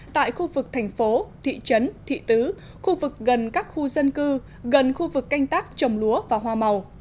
tại khu vực thành phố thị trấn thị tứ khu vực gần các khu dân cư gần khu vực canh tác trồng lúa và hoa màu